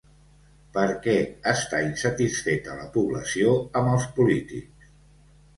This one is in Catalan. Per què està insatisfeta la població amb els polítics?